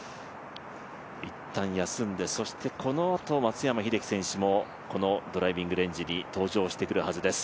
一旦休んで、そしてこのあと松山英樹選手もこのドライビングレンジに登場してくるはずです。